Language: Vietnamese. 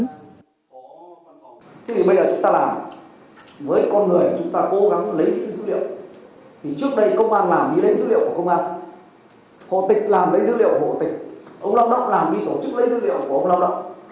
hộ tịch làm lấy dữ liệu hộ tịch ông lâm động làm đi tổ chức lấy dữ liệu của ông lâm động